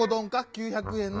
９００円の。